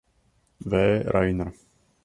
V. Reiner.